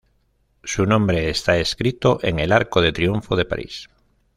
Su nombre está escrito en el Arco del Triunfo de París.